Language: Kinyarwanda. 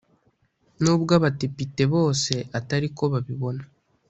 n’ubwo abadepite bose atari ko babibona